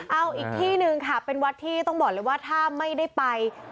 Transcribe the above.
เอาอีกที่หนึ่งค่ะเป็นวัดที่ต้องบอกเลยว่าถ้าไม่ได้ไป